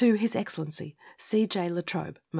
His Excellency C. J. La Trobe, Esq.